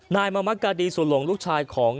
นายมะมะการี่ส่วนหลงลูกชายของ